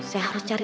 saya harus cari